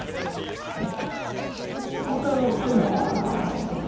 ここから出ない？